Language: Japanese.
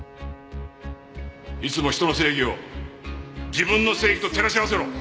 いつも人の正義を自分の正義と照らし合わせろ！